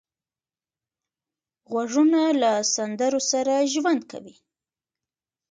غوږونه له سندرو سره ژوند کوي